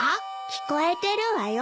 聞こえてるわよ。